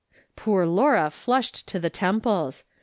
Poor Laura flushed to the temples.